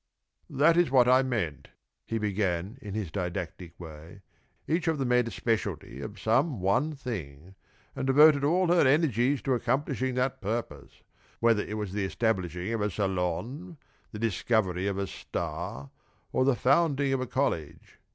"This is what I meant," he began, in his didactic way. "Each of them made a specialty of some one thing, and devoted all her energies to accomplishing that purpose, whether it was the establishing of a salon, the discovery of a star, or the founding of a college.